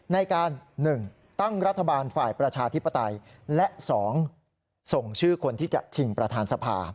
ในการ๑ตั้งรัฐบาลฝ่ายประชาธิปไตยและ๒ส่งชื่อคนที่จะชิงประธานสภา